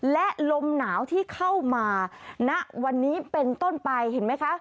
และลมหนาวที่เข้ามาณวันนี้เป็นต้นไปเห็นไหมคะ